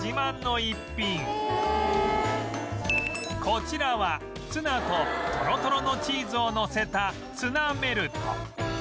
こちらはツナとトロトロのチーズをのせたツナメルト